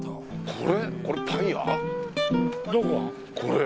これ？